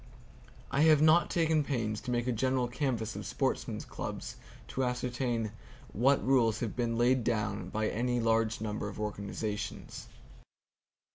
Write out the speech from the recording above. I have not taken pains to make a general canvass of sportsmen's clubs to ascertain what rules have been laid down by any large number of organizations.